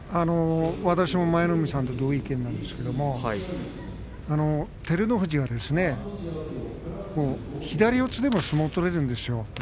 私も舞の海さんと同意見なんですけれど照ノ富士が左四つでも相撲を取れるんですよ。